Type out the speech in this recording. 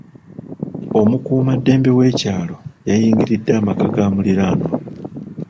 Omukuumaddembe w'ekyalo yayingiridde amaka ga muliraanwa.